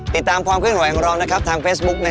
ติดตามของเราทางเฟซบุ๊กเนี่ย